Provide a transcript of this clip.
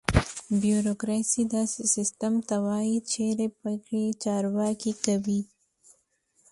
بیوروکراسي: داسې سیستم ته وایي چېرې پرېکړې چارواکي کوي.